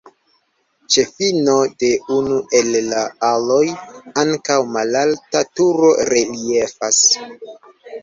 Ĉe fino de unu el la aloj ankaŭ malalta turo reliefas.